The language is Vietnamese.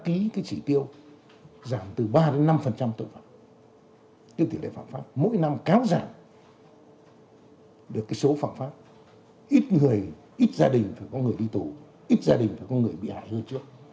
ít người ít gia đình phải có người đi tù ít gia đình phải có người bị hại hư trước